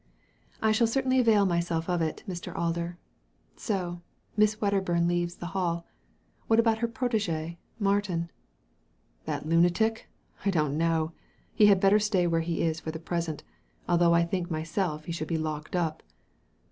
*' I shall certainly avail myself of it, Mr. Alder. So Miss Wedderbum leaves the HalL What about her /r^/^/, Martin?" "That lunatic! I don't know. He had better stay where he is for the present, although I think myself he should be locked up."